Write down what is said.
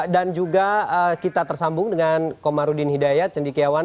juga kita tersambung dengan komarudin hidayat cendikiawan